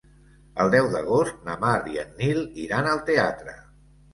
El deu d'agost na Mar i en Nil iran al teatre.